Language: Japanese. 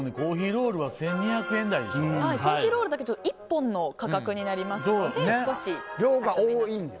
珈琲ロールだけ１本の価格になりますので。